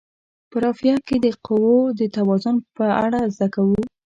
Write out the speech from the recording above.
په رافعه کې د قوو د توازن په اړه زده کوو.